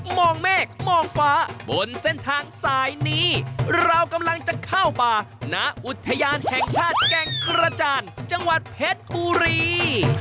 มองเมฆมองฟ้าบนเส้นทางสายนี้เรากำลังจะเข้าป่าณอุทยานแห่งชาติแก่งกระจานจังหวัดเพชรบุรี